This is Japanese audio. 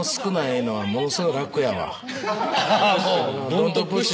ドントプッシュ。